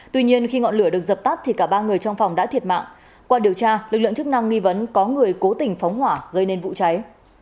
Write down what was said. một mươi trong phòng đã thiệt mạng qua điều tra lực lượng chức năng nghi vấn có người cố tình phóng hỏa gây nên vụ cháy